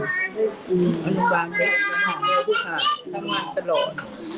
ทำงานกินทำงานก็ส่งลูกเรียนไงส่งตัวเล็กก็ทานนม